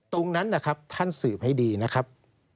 ตรงนั้นนะครับท่านสืบให้ดีนะครับ